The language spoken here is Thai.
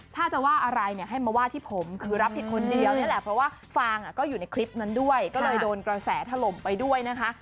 ถ้าจะว่าอะไรเนี่ยให้มาว่าที่ผมคือรับผิดคนเดียวนี่แหละเพราะว่าฟางก็อยู่ในคลิปนั้นด้วยก็เลยโดนกระแสถล่มไปด้วยนะคะ